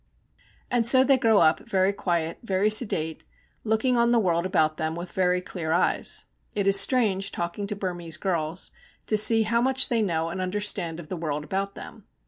And so they grow up very quiet, very sedate, looking on the world about them with very clear eyes. It is strange, talking to Burmese girls, to see how much they know and understand of the world about them.